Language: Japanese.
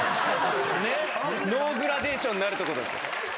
ノーグラデーションになるとこだった。